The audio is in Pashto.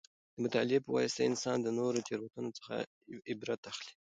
د مطالعې په واسطه انسان د نورو د تېروتنو څخه عبرت اخلي.